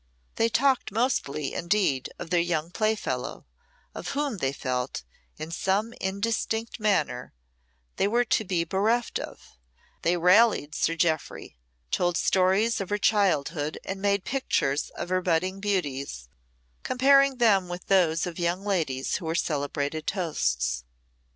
They talked mostly, indeed, of their young playfellow, of whom they felt, in some indistinct manner, they were to be bereft; they rallied Sir Jeoffry, told stories of her childhood and made pictures of her budding beauties, comparing them with those of young ladies who were celebrated toasts.